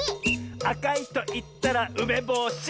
「あかいといったらうめぼし！」